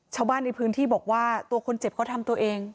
ชาวบ้านในพื้นที่บอกว่าตัวคนเจ็บเขาทำตัวเอง